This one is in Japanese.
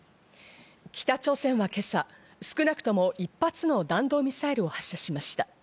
北朝鮮は今朝、少なくとも１発の弾道ミサイルを発射しました。